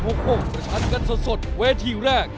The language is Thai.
ประชันกันสดเวทีแรก